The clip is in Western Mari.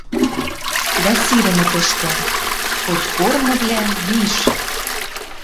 Дӓ сирӹмӹ тӹштӹ: «Хоть корнывлӓ — виш